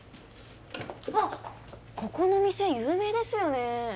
あっここの店有名ですよね。